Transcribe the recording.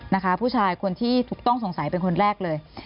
นะคะผู้ชายคนที่ถูกต้องสงสัยเป็นคนแรกเลย